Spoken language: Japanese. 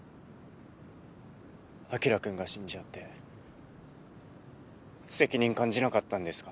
「晶くんが死んじゃって責任感じなかったんですか？」